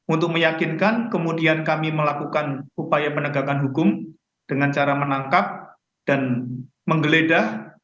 untuk meyakinkan kemudian kami melakukan upaya penegakan hukum dengan cara menangkap dan menggeledah